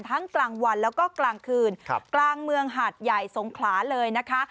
กลางวันแล้วก็กลางคืนกลางเมืองหาดใหญ่สงขลาเลยนะคะ